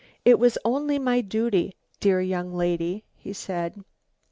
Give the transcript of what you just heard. "It was only my duty, dear young lady," he said.